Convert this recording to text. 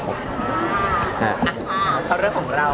อ่าอ่าฝากเรื่องของเรา